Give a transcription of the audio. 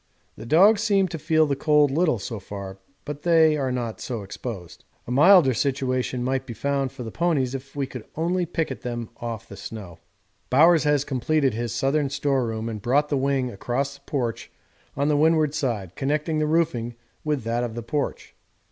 The dogs seem to feel the cold little so far, but they are not so exposed. A milder situation might be found for the ponies if only we could picket them off the snow. Bowers has completed his southern storeroom and brought the wing across the porch on the windward side, connecting the roofing with that of the porch.